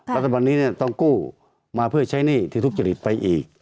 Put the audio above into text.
รัฐบาลนี้ต้องกู้มาเพื่อใช้หนี้ที่ทุจริตไปอีก